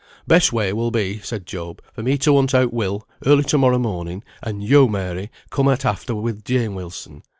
"Best way will be," said Job, "for me to hunt out Will, early to morrow morning, and yo, Mary, come at after with Jane Wilson.